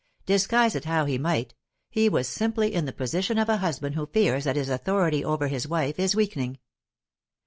Disguise it how he might, he was simply in the position of a husband who fears that his authority over his wife is weakening.